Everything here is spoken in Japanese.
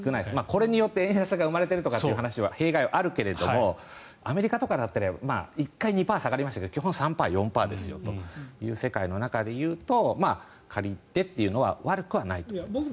これによって円安が生まれているという弊害はあるけどもアメリカとかだと１回、２％に下がりましたけど基本３％、４％という世界の中で言うと借りてというのは悪くないと思います。